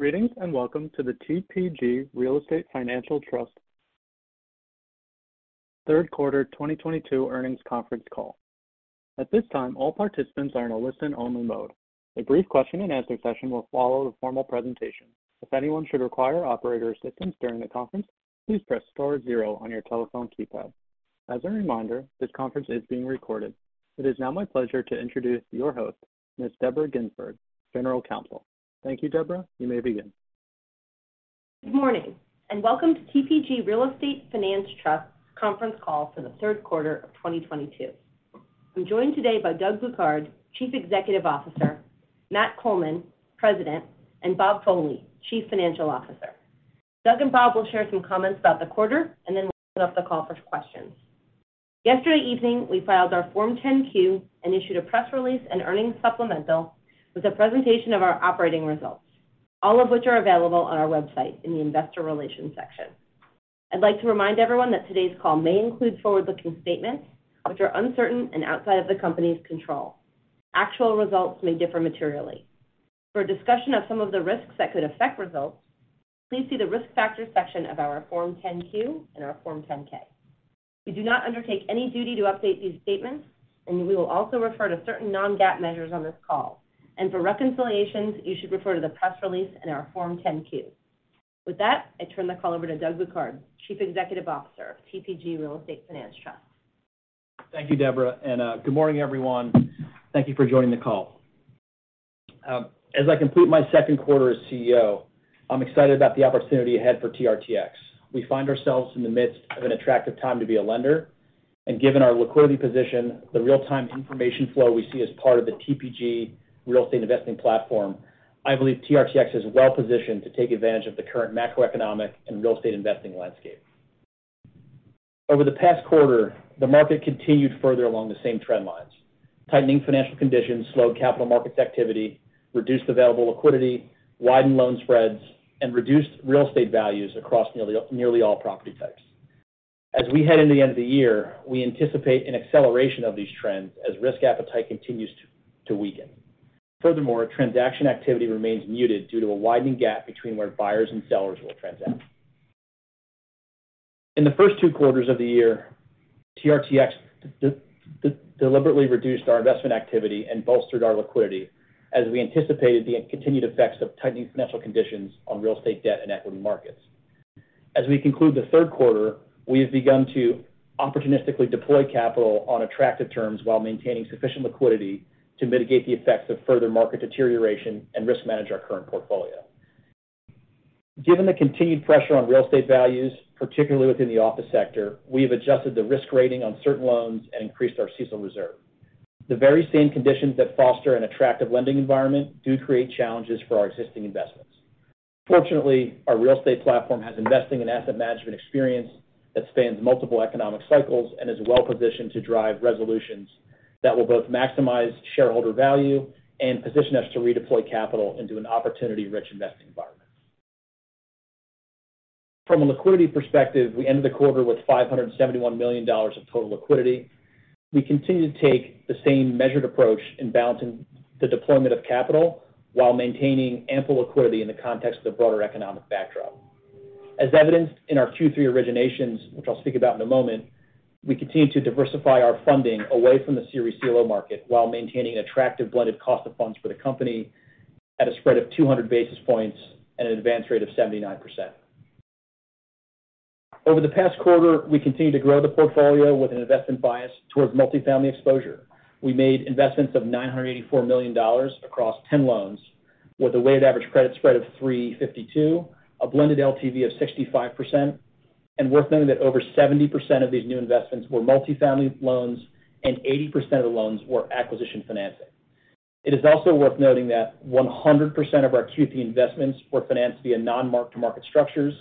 Greetings, and welcome to the TPG RE Finance Trust third quarter 2022 earnings conference call. At this time, all participants are in a listen-only mode. A brief question-and-answer session will follow the formal presentation. If anyone should require operator assistance during the conference, please press star zero on your telephone keypad. As a reminder, this conference is being recorded. It is now my pleasure to introduce your host, Ms. Deborah Ginsberg, General Counsel. Thank you, Deborah. You may begin. Good morning, and welcome to TPG RE Finance Trust conference call for the third quarter of 2022. I'm joined today by Doug Bouquard, Chief Executive Officer, Matt Coleman, President, and Bob Foley, Chief Financial Officer. Doug and Bob will share some comments about the quarter, and then we'll open up the call for questions. Yesterday evening, we filed our Form 10-Q and issued a press release and earnings supplemental with a presentation of our operating results, all of which are available on our website in the investor relations section. I'd like to remind everyone that today's call may include forward-looking statements which are uncertain and outside of the company's control. Actual results may differ materially. For a discussion of some of the risks that could affect results, please see the risk factors section of our Form 10-Q and our Form 10-K. We do not undertake any duty to update these statements, and we will also refer to certain non-GAAP measures on this call. For reconciliations, you should refer to the press release in our Form 10-Q. With that, I turn the call over to Doug Bouquard, Chief Executive Officer of TPG RE Finance Trust. Thank you, Deborah, and good morning, everyone. Thank you for joining the call. As I complete my second quarter as CEO, I'm excited about the opportunity ahead for TRTX. We find ourselves in the midst of an attractive time to be a lender. Given our liquidity position, the real-time information flow we see as part of the TPG Real Estate investing platform, I believe TRTX is well-positioned to take advantage of the current macroeconomic and real estate investing landscape. Over the past quarter, the market continued further along the same trend lines. Tightening financial conditions slowed capital markets activity, reduced available liquidity, widened loan spreads, and reduced real estate values across nearly all property types. As we head into the end of the year, we anticipate an acceleration of these trends as risk appetite continues to weaken. Furthermore, transaction activity remains muted due to a widening gap between where buyers and sellers will transact. In the first two quarters of the year, TRTX deliberately reduced our investment activity and bolstered our liquidity as we anticipated the continued effects of tightening financial conditions on real estate debt and equity markets. As we conclude the third quarter, we have begun to opportunistically deploy capital on attractive terms while maintaining sufficient liquidity to mitigate the effects of further market deterioration and risk manage our current portfolio. Given the continued pressure on real estate values, particularly within the office sector, we have adjusted the risk rating on certain loans and increased our CECL reserve. The very same conditions that foster an attractive lending environment do create challenges for our existing investments. Fortunately, our real estate platform has investing in asset management experience that spans multiple economic cycles and is well-positioned to drive resolutions that will both maximize shareholder value and position us to redeploy capital into an opportunity-rich investing environment. From a liquidity perspective, we ended the quarter with $571 million of total liquidity. We continue to take the same measured approach in balancing the deployment of capital while maintaining ample liquidity in the context of the broader economic backdrop. As evidenced in our Q3 originations, which I'll speak about in a moment, we continue to diversify our funding away from the securitized CLO market while maintaining attractive blended cost of funds for the company at a spread of 200 basis points and an advance rate of 79%. Over the past quarter, we continued to grow the portfolio with an investment bias towards multifamily exposure. We made investments of $984 million across 10 loans with a weighted average credit spread of 352, a blended LTV of 65%, and we're finding that over 70% of these new investments were multifamily loans, and 80% of the loans were acquisition financing. It is also worth noting that 100% of our Q3 investments were financed via non-mark-to-market structures,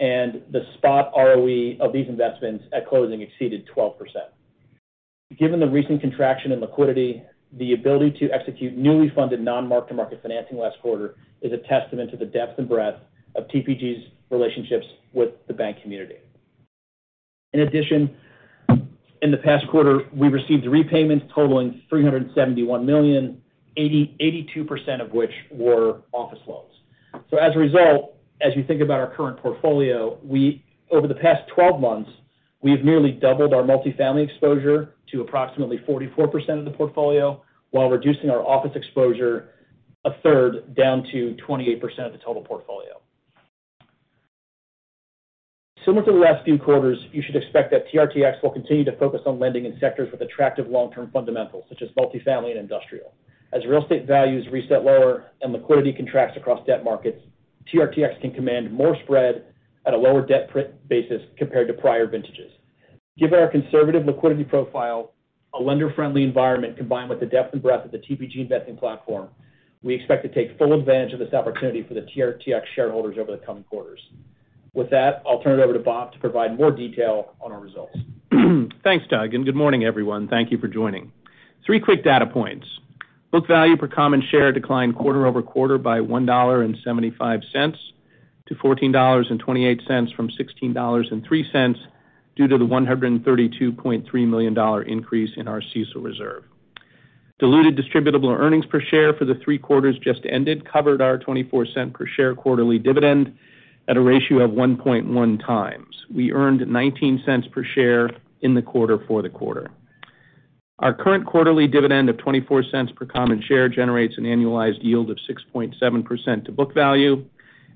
and the spot ROE of these investments at closing exceeded 12%. Given the recent contraction in liquidity, the ability to execute newly funded non-mark-to-market financing last quarter is a testament to the depth and breadth of TPG's relationships with the bank community. In addition, in the past quarter, we received repayments totaling $371 million, 82% of which were office loans. As a result, as you think about our current portfolio, we over the past 12 months, we've nearly doubled our multifamily exposure to approximately 44% of the portfolio while reducing our office exposure a third, down to 28% of the total portfolio. Similar to the last few quarters, you should expect that TRTX will continue to focus on lending in sectors with attractive long-term fundamentals, such as multifamily and industrial. As real estate values reset lower and liquidity contracts across debt markets, TRTX can command more spread at a lower debt print basis compared to prior vintages. Given our conservative liquidity profile, a lender-friendly environment combined with the depth and breadth of the TPG investing platform, we expect to take full advantage of this opportunity for the TRTX shareholders over the coming quarters. With that, I'll turn it over to Bob to provide more detail on our results. Thanks, Doug, and good morning, everyone. Thank you for joining. Three quick data points. Book value per common share declined quarter-over-quarter by $1.75-$14.28 from $16.03 due to the $132.3 million increase in our CECL reserve. Diluted distributable earnings per share for the three quarters just ended covered our $0.24 per share quarterly dividend at a ratio of 1.1x. We earned $0.19 per share in the quarter for the quarter. Our current quarterly dividend of $0.24 per common share generates an annualized yield of 6.7% to book value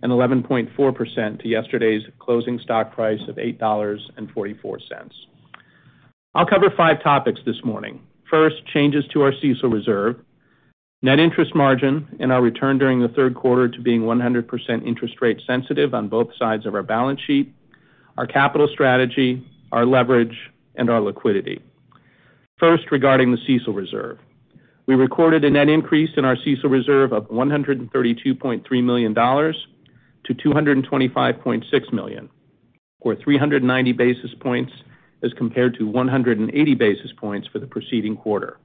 and 11.4% to yesterday's closing stock price of $8.44. I'll cover five topics this morning. First, changes to our CECL reserve, net interest margin and our return during the third quarter to being 100% interest rate sensitive on both sides of our balance sheet, our capital strategy, our leverage, and our liquidity. First, regarding the CECL reserve. We recorded a net increase in our CECL reserve of $132.3 million-$225.6 million, or 390 basis points as compared to 180 basis points for the preceding quarter.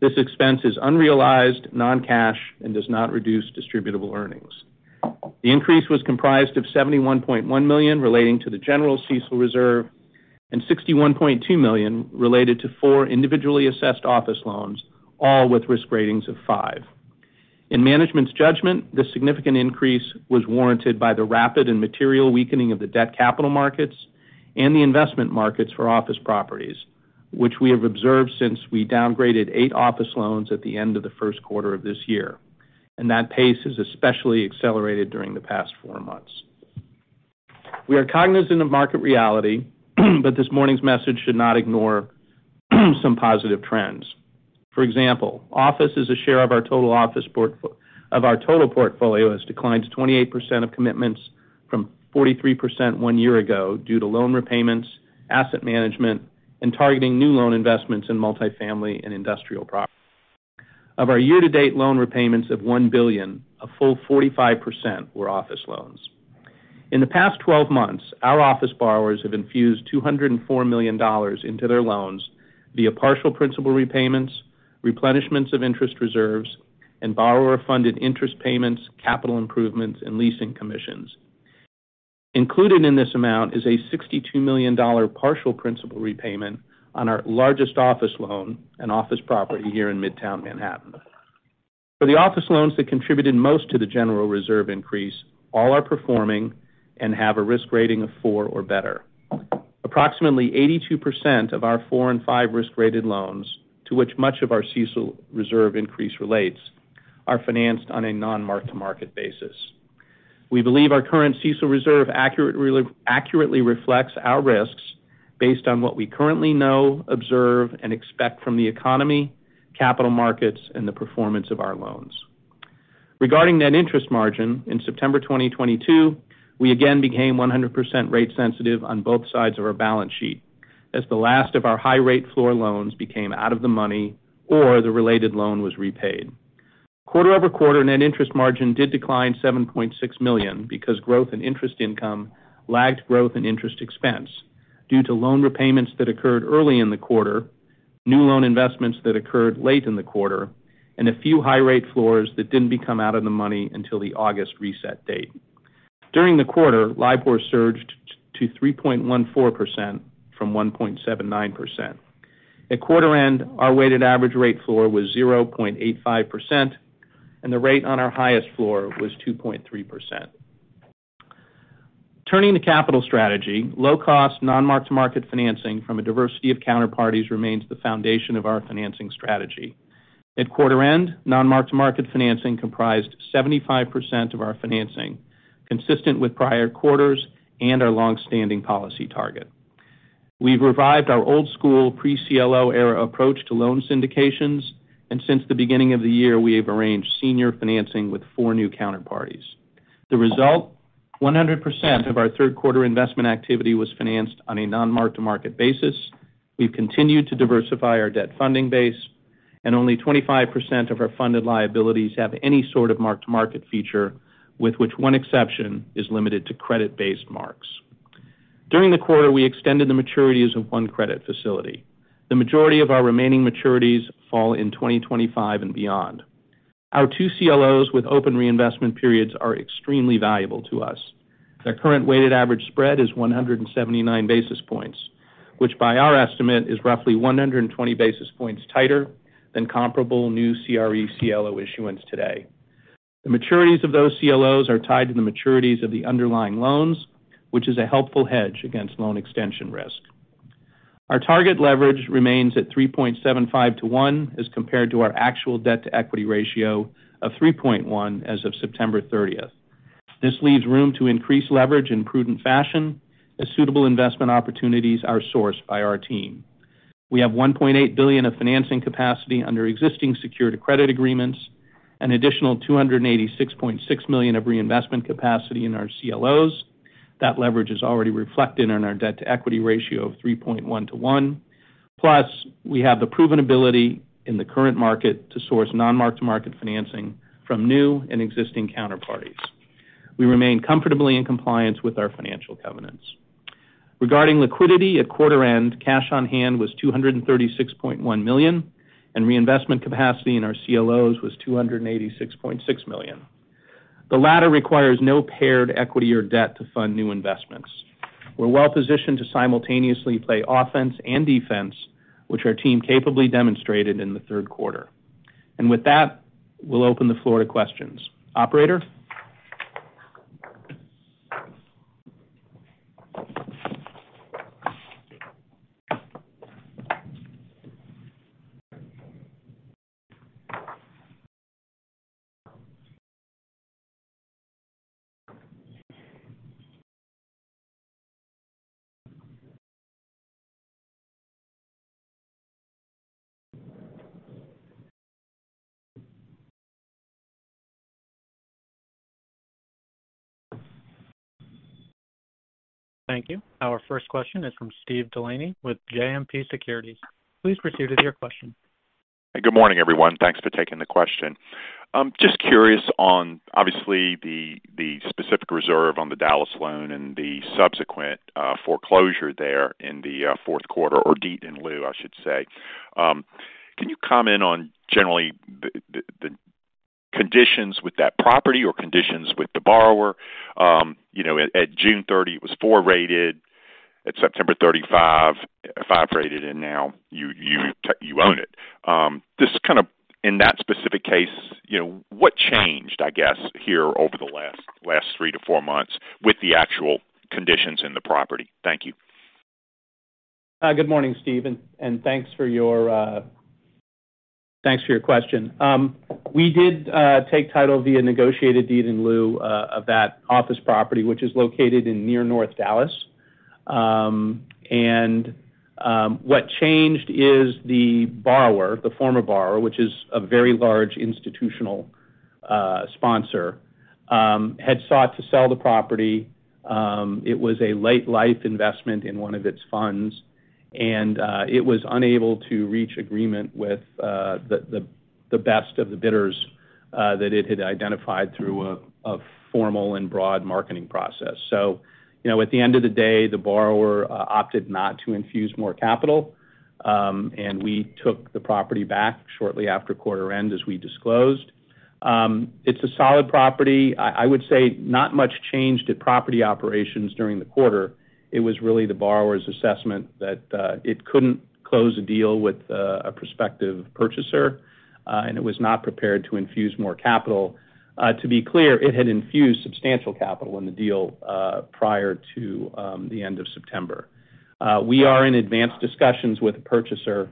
This expense is unrealized, non-cash, and does not reduce distributable earnings. The increase was comprised of $71.1 million relating to the general CECL reserve and $61.2 million related to four individually assessed office loans, all with risk ratings of five. In management's judgment, this significant increase was warranted by the rapid and material weakening of the debt capital markets and the investment markets for office properties, which we have observed since we downgraded eight office loans at the end of the first quarter of this year, and that pace has especially accelerated during the past four months. We are cognizant of market reality, but this morning's message should not ignore some positive trends. For example, office as a share of our total portfolio has declined to 28% of commitments from 43% one year ago due to loan repayments, asset management, and targeting new loan investments in multifamily and industrial property. Of our year-to-date loan repayments of $1 billion, a full 45% were office loans. In the past 12 months, our office borrowers have infused $204 million into their loans via partial principal repayments, replenishments of interest reserves, and borrower-funded interest payments, capital improvements, and leasing commissions. Included in this amount is a $62 million partial principal repayment on our largest office loan and office property here in Midtown Manhattan. For the office loans that contributed most to the general reserve increase, all are performing and have a risk rating of four or better. Approximately 82% of our four and five risk-rated loans, to which much of our CECL reserve increase relates, are financed on a non-mark-to-market basis. We believe our current CECL reserve accurately reflects our risks based on what we currently know, observe, and expect from the economy, capital markets, and the performance of our loans. Regarding net interest margin, in September 2022, we again became 100% rate sensitive on both sides of our balance sheet as the last of our high rate floor loans became out of the money or the related loan was repaid. Quarter over quarter, net interest margin did decline $7.6 million because growth and interest income lagged growth and interest expense due to loan repayments that occurred early in the quarter, new loan investments that occurred late in the quarter, and a few high rate floors that didn't become out of the money until the August reset date. During the quarter, LIBOR surged to 3.14% from 1.79%. At quarter end, our weighted average rate floor was 0.85%, and the rate on our highest floor was 2.3%. Turning to capital strategy, low-cost, non-mark-to-market financing from a diversity of counterparties remains the foundation of our financing strategy. At quarter end, non-mark-to-market financing comprised 75% of our financing, consistent with prior quarters and our long-standing policy target. We've revived our old school PCLO era approach to loan syndications, and since the beginning of the year, we have arranged senior financing with four new counterparties. The result, 100% of our third quarter investment activity was financed on a non-mark-to-market basis. We've continued to diversify our debt funding base, and only 25% of our funded liabilities have any sort of mark-to-market feature, with which one exception is limited to credit-based marks. During the quarter, we extended the maturities of one credit facility. The majority of our remaining maturities fall in 2025 and beyond. Our two CLOs with open reinvestment periods are extremely valuable to us. Their current weighted average spread is 179 basis points, which by our estimate is roughly 120 basis points tighter than comparable new CRE CLO issuance today. The maturities of those CLOs are tied to the maturities of the underlying loans, which is a helpful hedge against loan extension risk. Our target leverage remains at 3.75 to one as compared to our actual debt-to-equity ratio of 3.1 as of September 30. This leaves room to increase leverage in prudent fashion as suitable investment opportunities are sourced by our team. We have $1.8 billion of financing capacity under existing secured credit agreements, an additional $286.6 million of reinvestment capacity in our CLOs. That leverage is already reflected in our debt-to-equity ratio of 3.1:1. Plus, we have the proven ability in the current market to source non-mark-to-market financing from new and existing counterparties. We remain comfortably in compliance with our financial covenants. Regarding liquidity, at quarter end, cash on hand was $236.1 million, and reinvestment capacity in our CLOs was $286.6 million. The latter requires no paired equity or debt to fund new investments. We're well-positioned to simultaneously play offense and defense, which our team capably demonstrated in the third quarter. With that, we'll open the floor to questions. Operator? Thank you. Our first question is from Steve Delaney with JMP Securities. Please proceed with your question. Good morning, everyone. Thanks for taking the question. Just curious on, obviously, the specific reserve on the Dallas loan and the subsequent, foreclosure there in the, fourth quarter or deed in lieu, I should say. Can you comment on generally the conditions with that property or conditions with the borrower? You know, at June 30 it was four-rated. At September 30, five-rated, and now you own it. Just kind of in that specific case, you know, what changed, I guess, here over the last three to four months with the actual conditions in the property? Thank you. Good morning, Steve, and thanks for your question. We did take title via negotiated deed in lieu of that office property, which is located near North Dallas. What changed is the borrower, the former borrower, which is a very large institutional sponsor, had sought to sell the property. It was a late life investment in one of its funds, and it was unable to reach agreement with the best of the bidders that it had identified through a formal and broad marketing process. You know, at the end of the day, the borrower opted not to infuse more capital, and we took the property back shortly after quarter end as we disclosed. It's a solid property. I would say not much changed at property operations during the quarter. It was really the borrower's assessment that it couldn't close a deal with a prospective purchaser, and it was not prepared to infuse more capital. To be clear, it had infused substantial capital in the deal prior to the end of September. We are in advanced discussions with the purchaser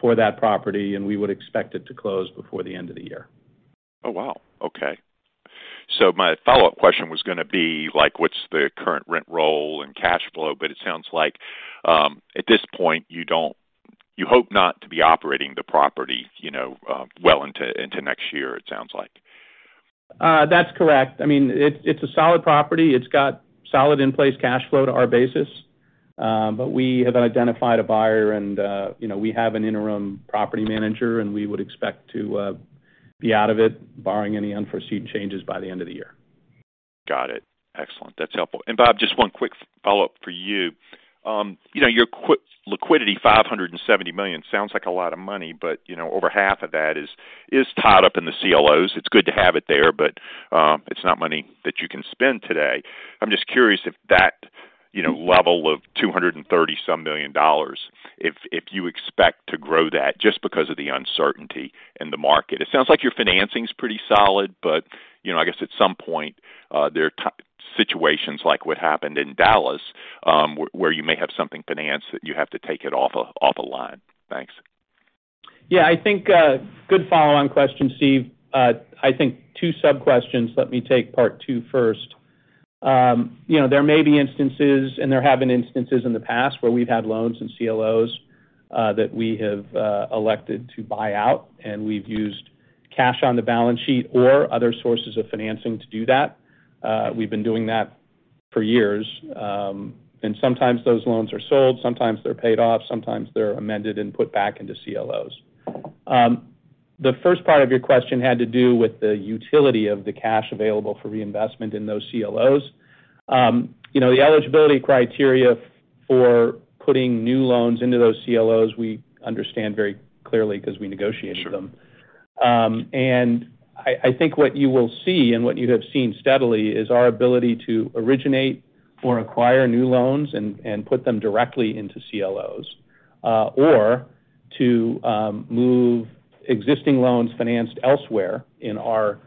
for that property, and we would expect it to close before the end of the year. Oh, wow. Okay. My follow-up question was gonna be like, what's the current rent roll and cash flow? It sounds like, at this point you hope not to be operating the property, you know, well into next year, it sounds like. That's correct. I mean, it's a solid property. It's got solid in-place cash flow to our basis. We have identified a buyer and, you know, we have an interim property manager, and we would expect to be out of it barring any unforeseen changes by the end of the year. Got it. Excellent. That's helpful. Bob, just one quick follow-up for you. You know, your liquidity, $570 million, sounds like a lot of money, but, you know, over half of that is tied up in the CLOs. It's good to have it there, but, it's not money that you can spend today. I'm just curious if that, you know, level of $230-some million, if you expect to grow that just because of the uncertainty in the market. It sounds like your financing's pretty solid, but, you know, I guess at some point, there are situations like what happened in Dallas, where you may have something financed that you have to take it off a line. Thanks. Yeah, I think good follow-on question, Steve. I think two sub-questions. Let me take part two first. You know, there may be instances, and there have been instances in the past where we've had loans and CLOs that we have elected to buy out, and we've used cash on the balance sheet or other sources of financing to do that. We've been doing that for years. Sometimes those loans are sold, sometimes they're paid off, sometimes they're amended and put back into CLOs. The first part of your question had to do with the utility of the cash available for reinvestment in those CLOs. You know, the eligibility criteria for putting new loans into those CLOs, we understand very clearly because we negotiated them. Sure. I think what you will see and what you have seen steadily is our ability to originate or acquire new loans and put them directly into CLOs, or to move existing loans financed elsewhere in our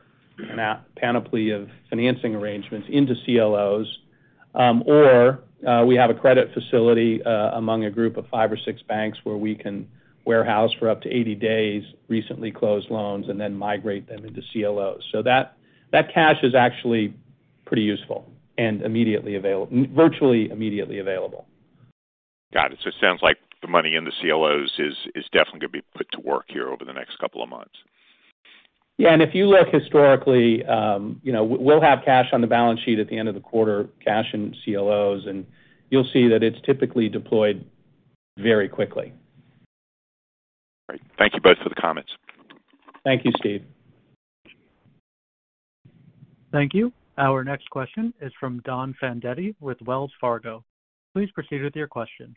panoply of financing arrangements into CLOs. We have a credit facility among a group of five or six banks where we can warehouse for up to 80 days recently closed loans and then migrate them into CLOs. That cash is actually pretty useful and virtually immediately available. Got it. It sounds like the money in the CLOs is definitely gonna be put to work here over the next couple of months. Yeah, if you look historically, you know, we'll have cash on the balance sheet at the end of the quarter, cash in CLOs, and you'll see that it's typically deployed very quickly. All right. Thank you both for the comments. Thank you, Steve. Thank you. Our next question is from Donald Fandetti with Wells Fargo. Please proceed with your question.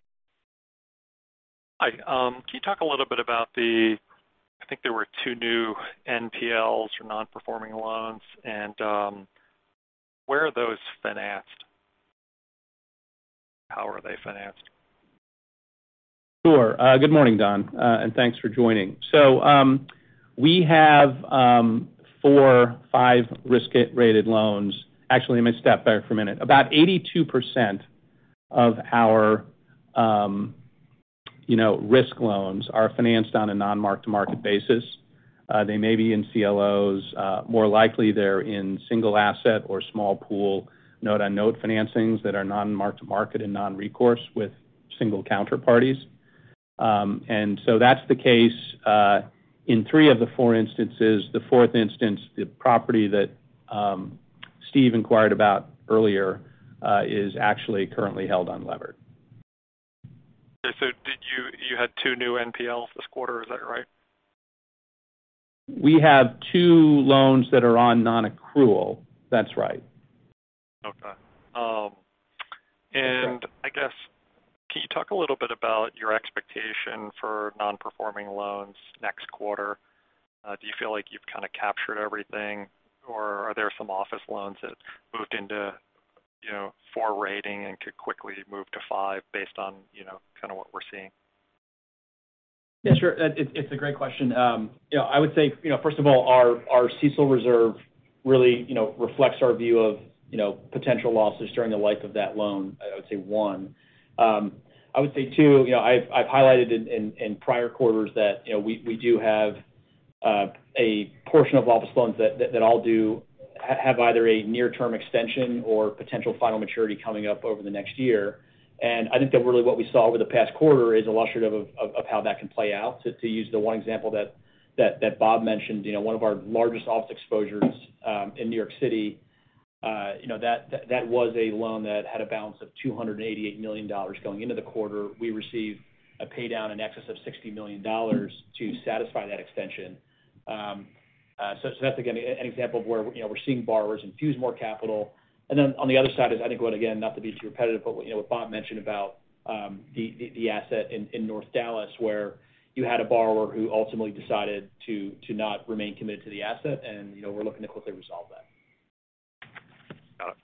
Hi. Can you talk a little bit about I think there were two new NPLs or non-performing loans and where are those financed? How are they financed? Sure. Good morning, Don. Thanks for joining. We have four or five risk-rated loans. Actually, I'm gonna step back for a minute. About 82% of our, you know, risk loans are financed on a non-mark-to-market basis. They may be in CLOs. More likely, they're in single asset or small pool note-on-note financings that are non-mark-to-market and non-recourse with single counterparties. That's the case in three of the four instances. The fourth instance, the property that Steve inquired about earlier, is actually currently held on levered. Okay. You had two new NPLs this quarter, is that right? We have two loans that are on non-accrual. That's right. Okay. I guess can you talk a little bit about your expectation for non-performing loans next quarter? Do you feel like you've kind of captured everything, or are there some office loans that moved into, you know, four rating and could quickly move to five based on, you know, kinda what we're seeing? Yeah, sure. It's a great question. You know, first of all, our CECL reserve really reflects our view of potential losses during the life of that loan, I would say, one. I would say, two, you know, I've highlighted in prior quarters that you know, we do have a portion of office loans that have either a near-term extension or potential final maturity coming up over the next year. I think that really what we saw over the past quarter is illustrative of how that can play out. To use the one example that Bob mentioned, you know, one of our largest office exposures in New York City, you know, that was a loan that had a balance of $288 million going into the quarter. We received a pay down in excess of $60 million to satisfy that extension. So that's again an example of where, you know, we're seeing borrowers infuse more capital. Then on the other side is, I think, what again, not to be too repetitive, but you know, what Bob mentioned about the asset in North Dallas where you had a borrower who ultimately decided to not remain committed to the asset and, you know, we're looking to quickly resolve that. Got it.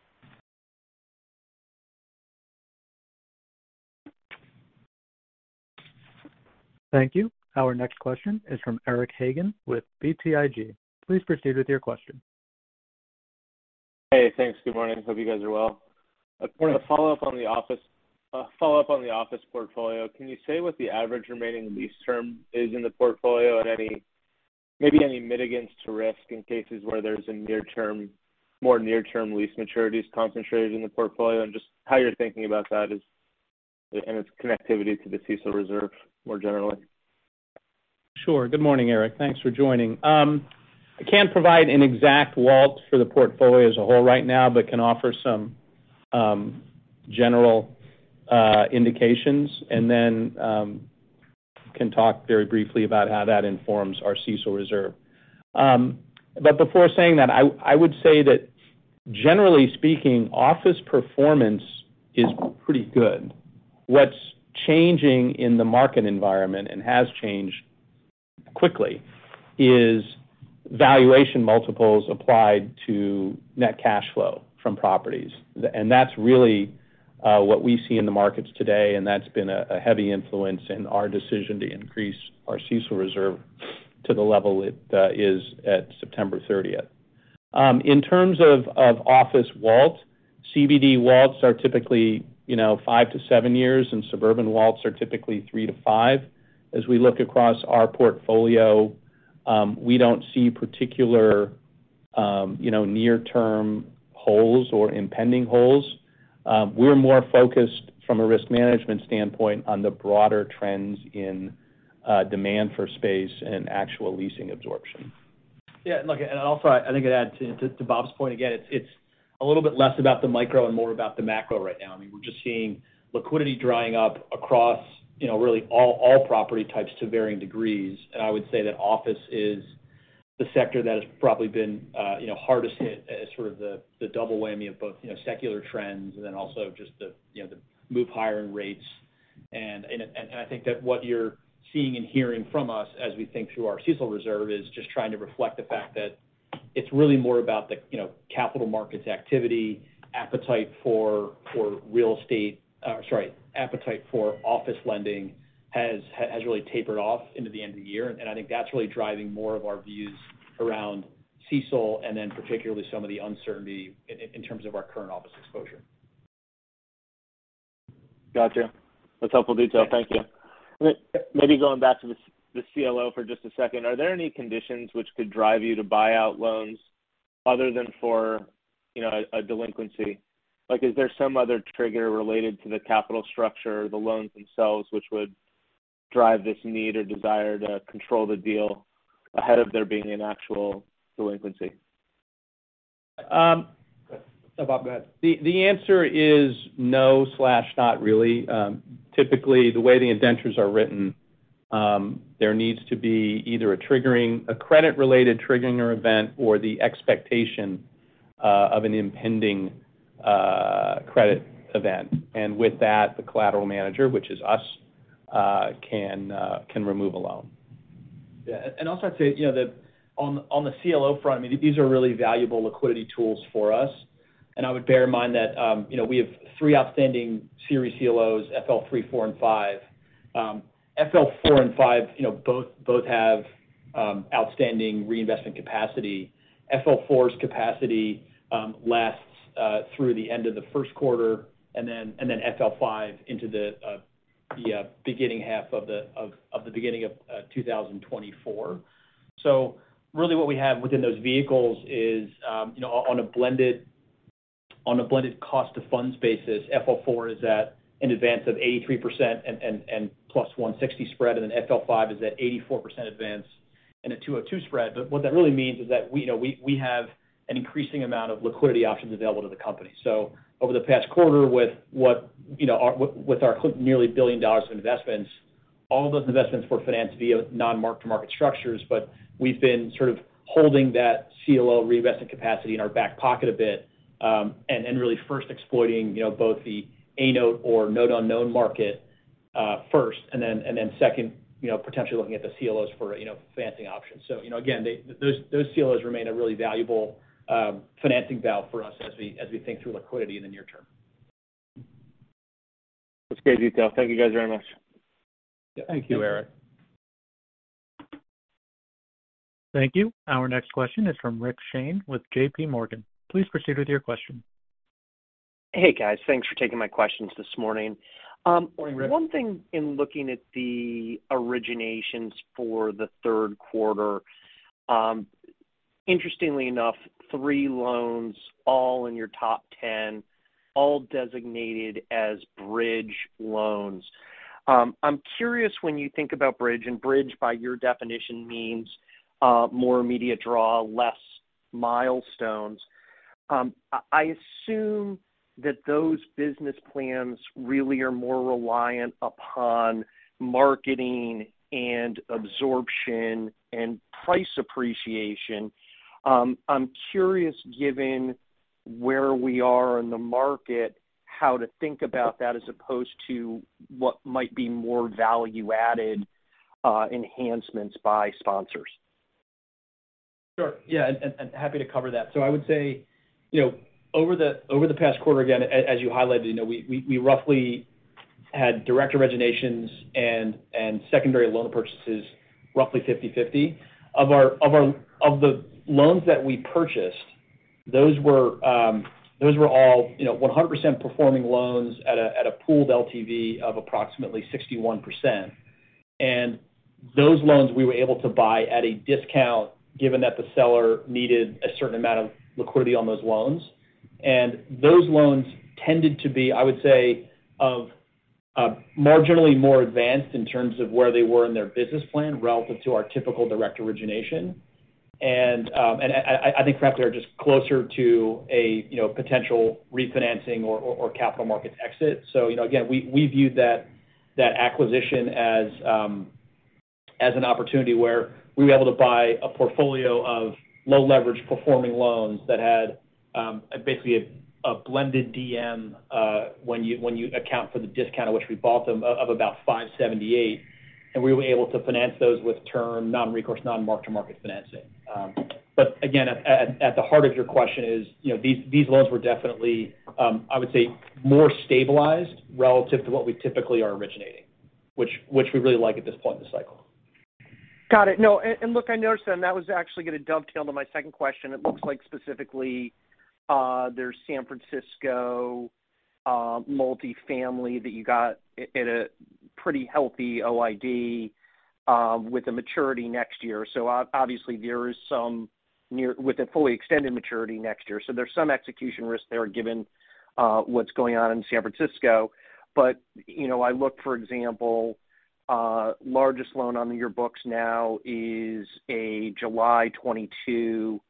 Thank you. Our next question is from Eric Hagen with BTIG. Please proceed with your question. Hey, thanks. Good morning. Hope you guys are well. A follow-up on the office portfolio. Can you say what the average remaining lease term is in the portfolio and maybe any mitigants to risk in cases where there's more near-term lease maturities concentrated in the portfolio? Just how you're thinking about that and its connectivity to the CECL reserve more generally. Sure. Good morning, Eric. Thanks for joining. I can't provide an exact WALT for the portfolio as a whole right now, but can offer some general indications and then can talk very briefly about how that informs our CECL reserve. Before saying that, I would say that generally speaking, office performance is pretty good. What's changing in the market environment and has changed quickly is valuation multiples applied to net cash flow from properties. And that's really what we see in the markets today, and that's been a heavy influence in our decision to increase our CECL reserve to the level it is at September thirtieth. In terms of office WALT, CBD WALTs are typically, you know, five to seven years, and suburban WALTs are typically three to five. As we look across our portfolio, we don't see particular, you know, near-term holes or impending holes. We're more focused from a risk management standpoint on the broader trends in, demand for space and actual leasing absorption. Yeah. Look, and also I think I'd add to Bob's point, again, it's a little bit less about the micro and more about the macro right now. I mean, we're just seeing liquidity drying up across, you know, really all property types to varying degrees. I would say that office is the sector that has probably been, you know, hardest hit as sort of the double whammy of both, you know, secular trends and then also just the, you know, the move higher in rates. I think that what you're seeing and hearing from us as we think through our CECL reserve is just trying to reflect the fact that it's really more about the, you know, capital markets activity, appetite for office lending has really tapered off toward the end of the year. I think that's really driving more of our views around CECL and then particularly some of the uncertainty in terms of our current office exposure. Gotcha. That's helpful detail. Thank you. Maybe going back to the CLO for just a second. Are there any conditions which could drive you to buy out loans other than for, you know, a delinquency? Like, is there some other trigger related to the capital structure or the loans themselves which would drive this need or desire to control the deal ahead of there being an actual delinquency? Um- Go ahead. Bob, go ahead. The answer is no, not really. Typically, the way the indentures are written, there needs to be either a credit-related triggering or event or the expectation of an impending credit event. With that, the collateral manager, which is us, can remove a loan. Yeah. Also I'd say, you know, that on the CLO front, I mean, these are really valuable liquidity tools for us. I would bear in mind that, you know, we have three outstanding series CLOs, TRTX 2019-FL3, TRTX 2021-FL4, and TRTX 2022-FL5. TRTX 2021-FL4 and TRTX 2022-FL5, you know, both have outstanding reinvestment capacity. TRTX 2021-FL4's capacity lasts through the end of the first quarter, and then TRTX 2022-FL5 into the first half of 2024. Really what we have within those vehicles is, you know, on a blended cost to funds basis, TRTX 2021-FL4 is at an advance of 83% and plus 160 spread, and then TRTX 2022-FL5 is at 84% advance and a 202 spread. What that really means is that you know, we have an increasing amount of liquidity options available to the company. Over the past quarter you know, with our nearly $1 billion in investments, all those investments were financed via non-mark-to-market structures. We've been sort of holding that CLO reinvestment capacity in our back pocket a bit, and then really first exploiting you know, both the A-note or note-on-note non-mark-to-market first and then second you know, potentially looking at the CLOs for you know, financing options. You know, again, those CLOs remain a really valuable financing valve for us as we think through liquidity in the near term. That's great detail. Thank you guys very much. Yeah. Thank you, Eric. Thank you. Our next question is from Rick Shane with JPMorgan. Please proceed with your question. Hey, guys. Thanks for taking my questions this morning. Morning, Rick. One thing in looking at the originations for the third quarter, interestingly enough, three loans all in your top 10, all designated as bridge loans. I'm curious when you think about bridge, and bridge by your definition means more immediate draw, less milestones. I assume that those business plans really are more reliant upon marketing and absorption and price appreciation. I'm curious, given where we are in the market, how to think about that as opposed to what might be more value-added enhancements by sponsors. Sure. Yeah. Happy to cover that. I would say, you know, over the past quarter, again, as you highlighted, you know, we roughly had direct originations and secondary loan purchases, roughly 50/50. Of the loans that we purchased, those were all, you know, 100% performing loans at a pooled LTV of approximately 61%. Those loans we were able to buy at a discount given that the seller needed a certain amount of liquidity on those loans. Those loans tended to be, I would say, marginally more advanced in terms of where they were in their business plan relative to our typical direct origination. I think perhaps they're just closer to a, you know, potential refinancing or capital markets exit. You know, again, we viewed that acquisition as an opportunity where we were able to buy a portfolio of low leverage performing loans that had basically a blended DM when you account for the discount at which we bought them of about 578. We were able to finance those with term non-recourse, non-mark-to-market financing. Again, at the heart of your question is, you know, these loans were definitely, I would say, more stabilized relative to what we typically are originating, which we really like at this point in the cycle. Got it. No, look, I noticed, and that was actually gonna dovetail to my second question. It looks like specifically, there's San Francisco multifamily that you got at a pretty healthy OID with a maturity next year. Obviously there is some with a fully extended maturity next year. There's some execution risk there given what's going on in San Francisco. You know, look, for example, largest loan on your books now is a July 2022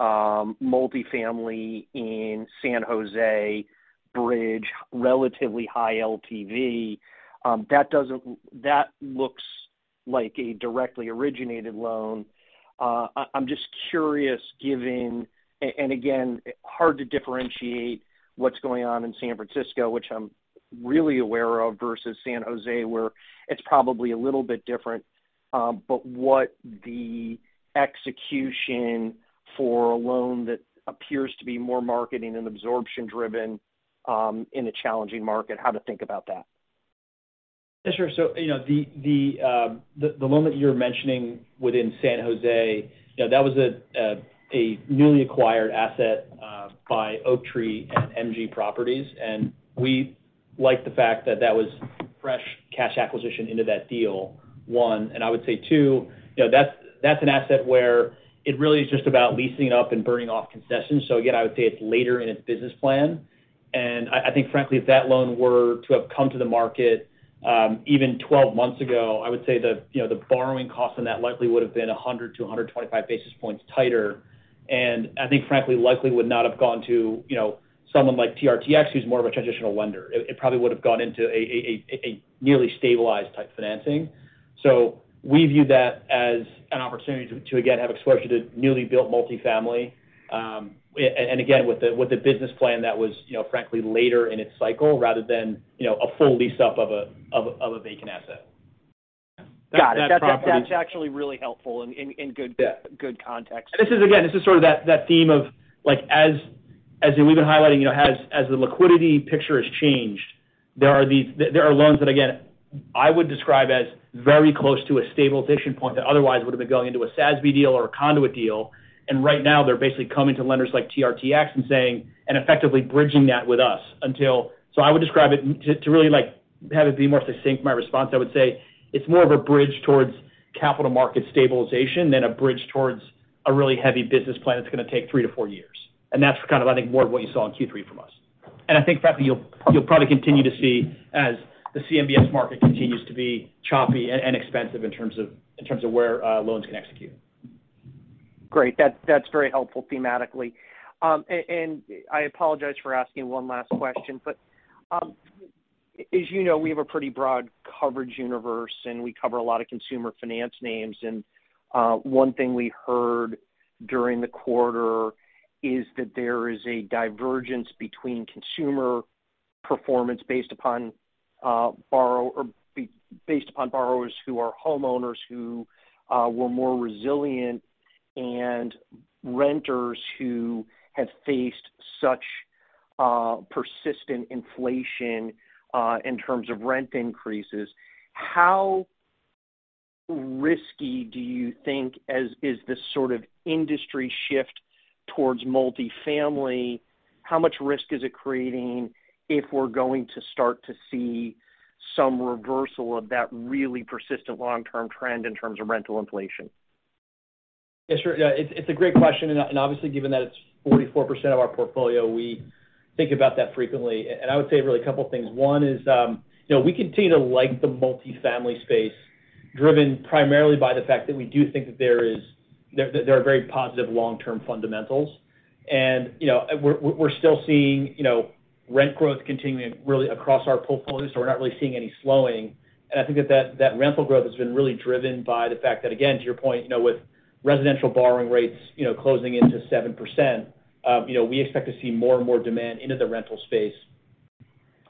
multifamily in San Jose, bridge, relatively high LTV. That looks like a directly originated loan. I'm just curious, given and again, hard to differentiate what's going on in San Francisco, which I'm really aware of versus San Jose, where it's probably a little bit different. What’s the execution for a loan that appears to be more marketing and absorption-driven in a challenging market, how to think about that? Yeah, sure. You know, the loan that you're mentioning within San Jose, you know, that was a newly acquired asset by Oaktree and MG Properties. We like the fact that that was fresh cash acquisition into that deal, one. I would say two, you know, that's an asset where it really is just about leasing up and burning off concessions. Again, I would say it's later in its business plan. I think frankly, if that loan were to have come to the market, even 12 months ago, I would say you know, the borrowing cost on that likely would've been 100-125 basis points tighter. I think frankly, likely would not have gone to, you know, someone like TRTX, who's more of a traditional lender. It probably would've gone into a nearly stabilized type financing. We view that as an opportunity to again have exposure to newly built multifamily. And again, with the business plan that was, you know, frankly later in its cycle rather than, you know, a full lease-up of a vacant asset. Got it. That's actually really helpful and good. Yeah. Good context. This is again sort of that theme of like as we've been highlighting you know as the liquidity picture has changed. There are loans that again I would describe as very close to a stabilization point that otherwise would've been going into a SASB deal or a conduit deal. Right now they're basically coming to lenders like TRTX and saying and effectively bridging that with us until. I would describe it to really like have it be more succinct my response. I would say it's more of a bridge towards capital market stabilization than a bridge towards a really heavy business plan that's gonna take three to four years. That's kind of I think more of what you saw in Q3 from us. I think, frankly, you'll probably continue to see as the CMBS market continues to be choppy and expensive in terms of where loans can execute. Great. That's very helpful thematically. And I apologize for asking one last question, but as you know, we have a pretty broad coverage universe, and we cover a lot of consumer finance names. One thing we heard during the quarter is that there is a divergence between consumer performance based upon borrowers who are homeowners, who were more resilient, and renters who have faced such persistent inflation in terms of rent increases. How risky do you think this is, this sort of industry shift towards multifamily? How much risk is it creating if we're going to start to see some reversal of that really persistent long-term trend in terms of rental inflation? Yeah, sure. Yeah. It's a great question and obviously given that it's 44% of our portfolio, we think about that frequently. I would say really a couple things. One is, you know, we continue to like the multifamily space driven primarily by the fact that we do think that there are very positive long-term fundamentals. You know, we're still seeing, you know, rent growth continuing really across our portfolio, so we're not really seeing any slowing. I think that rental growth has been really driven by the fact that, again, to your point, you know, with residential borrowing rates, you know, closing into 7%, you know, we expect to see more and more demand into the rental space.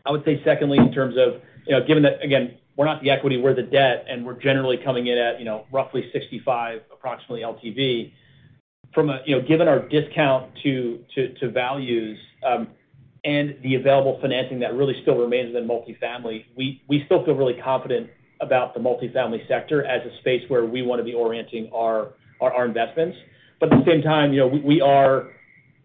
I would say secondly, in terms of, you know, given that, again, we're not the equity, we're the debt, and we're generally coming in at, you know, roughly 65, approximately LTV. From a, you know, given our discount to values, and the available financing that really still remains in multifamily, we still feel really confident about the multifamily sector as a space where we wanna be orienting our investments. But at the same time, you know, we are,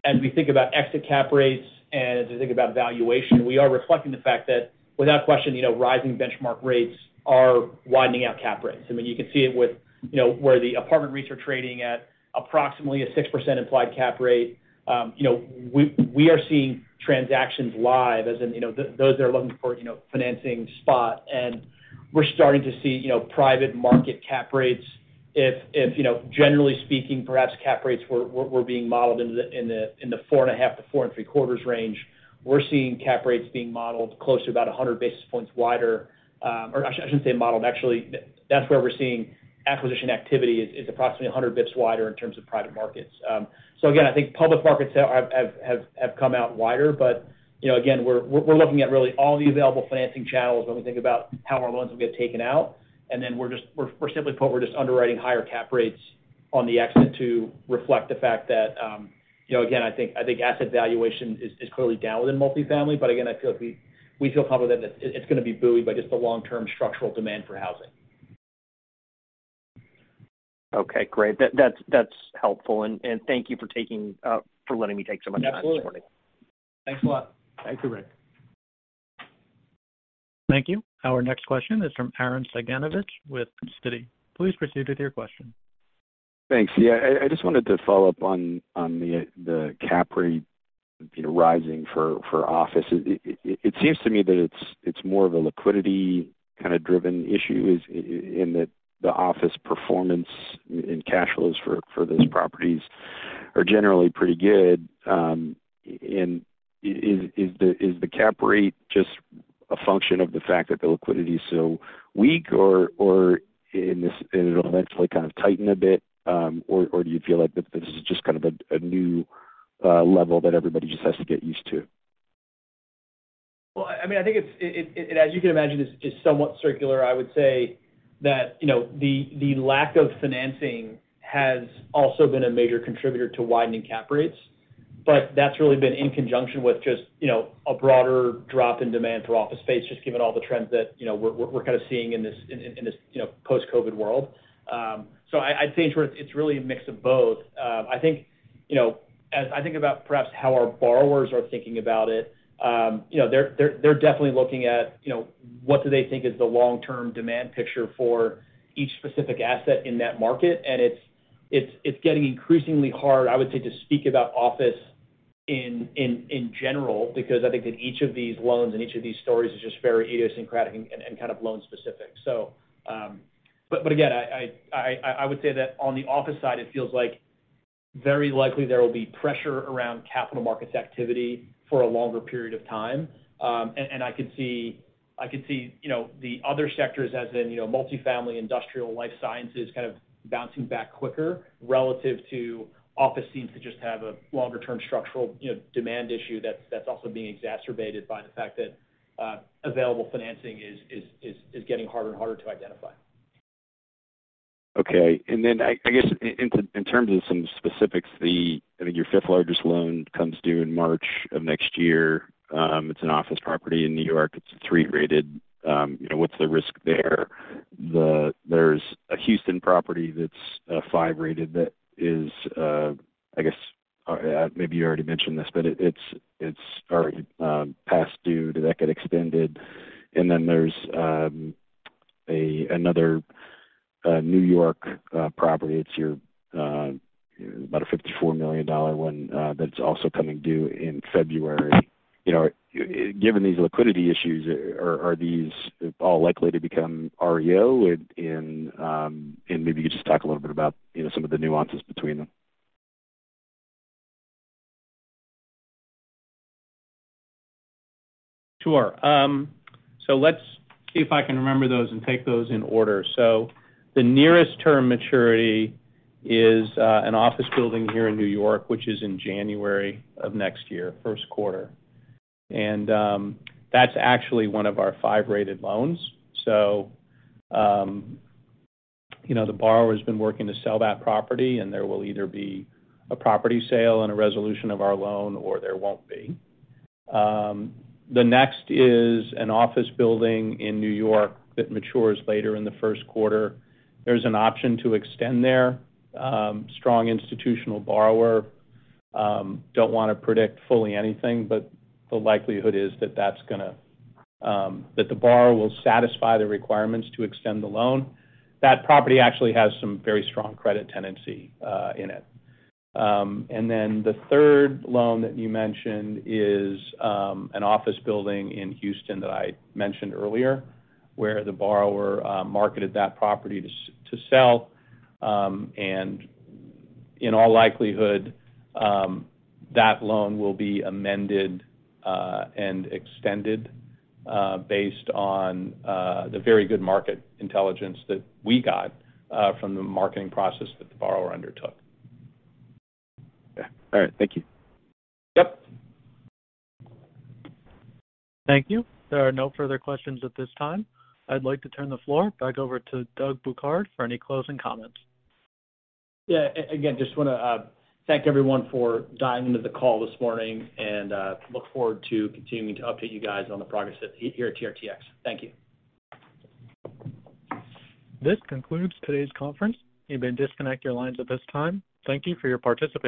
as we think about exit cap rates and as we think about valuation, we are reflecting the fact that without question, you know, rising benchmark rates are widening out cap rates. I mean, you can see it with, you know, where the apartment rates are trading at approximately 6% implied cap rate. You know, we are seeing transactions live, as in, you know, those that are looking for, you know, financing spot. We're starting to see, you know, private market cap rates. You know, generally speaking, perhaps cap rates were being modeled in the 4.5-4.75 range. We're seeing cap rates being modeled closer to about 100 basis points wider. Or actually I shouldn't say modeled. Actually, that's where we're seeing acquisition activity is approximately 100 basis points wider in terms of private markets. Again, I think public markets have come out wider. You know, again, we're looking at really all the available financing channels when we think about how our loans will get taken out. We're simply put, we're just underwriting higher cap rates on the exit to reflect the fact that, you know, again, I think asset valuation is clearly down within multifamily, but again, I feel like we feel confident that it's gonna be buoyed by just the long-term structural demand for housing. Okay, great. That's helpful. Thank you for letting me take so much of your time this morning. Absolutely. Thanks a lot. Thank you, Rick. Thank you. Our next question is from Arren Cyganovich with Citi. Please proceed with your question. Thanks. Yeah, I just wanted to follow-up on the cap rate, you know, rising for office. It seems to me that it's more of a liquidity kind of driven issue in that the office performance and cash flows for those properties are generally pretty good. Is the cap rate just a function of the fact that the liquidity is so weak or and it'll eventually kind of tighten a bit? Or do you feel like this is just kind of a new level that everybody just has to get used to? Well, I mean, I think it is, as you can imagine, somewhat circular. I would say that, you know, the lack of financing has also been a major contributor to widening cap rates. That's really been in conjunction with just, you know, a broader drop in demand for office space, just given all the trends that, you know, we're kind of seeing in this, you know, post-COVID world. I'd say in short, it's really a mix of both. I think, you know, as I think about perhaps how our borrowers are thinking about it, you know, they're definitely looking at, you know, what do they think is the long-term demand picture for each specific asset in that market. It's getting increasingly hard, I would say, to speak about office in general, because I think that each of these loans and each of these stories is just very idiosyncratic and kind of loan-specific. Again, I would say that on the office side, it feels like very likely there will be pressure around capital markets activity for a longer period of time. I could see, you know, the other sectors as in, you know, multifamily, industrial, life sciences kind of bouncing back quicker relative to office. It seems to just have a longer term structural, you know, demand issue that's also being exacerbated by the fact that available financing is getting harder and harder to identify. Okay. I guess in terms of some specifics, I think your fifth largest loan comes due in March of next year. It's an office property in New York. It's three-rated. You know, what's the risk there? There's a Houston property that's five-rated that is, I guess, maybe you already mentioned this, but it's already past due. Did that get extended? There's another New York property. It's your about a $54 million one that's also coming due in February. You know, given these liquidity issues, are these all likely to become REO? Maybe you could just talk a little bit about, you know, some of the nuances between them. Sure. Let's see if I can remember those and take those in order. The nearest term maturity is an office building here in New York, which is in January of next year, first quarter. That's actually one of our five-rated loans. You know, the borrower's been working to sell that property, and there will either be a property sale and a resolution of our loan or there won't be. The next is an office building in New York that matures later in the first quarter. There's an option to extend there. Strong institutional borrower. Don't wanna predict fully anything, but the likelihood is that that's gonna that the borrower will satisfy the requirements to extend the loan. That property actually has some very strong credit tenancy in it. The third loan that you mentioned is an office building in Houston that I mentioned earlier, where the borrower marketed that property to sell. In all likelihood, that loan will be amended and extended based on the very good market intelligence that we got from the marketing process that the borrower undertook. Yeah. All right. Thank you. Yep. Thank you. There are no further questions at this time. I'd like to turn the floor back over to Doug Bouquard for any closing comments. Yeah. Again, just wanna thank everyone for dialing into the call this morning and look forward to continuing to update you guys on the progress here at TRTX. Thank you. This concludes today's conference. You may disconnect your lines at this time. Thank you for your participation.